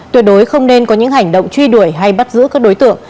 tuyệt đối không nên có những hành động truy đuổi hay bắt giữ các đối tượng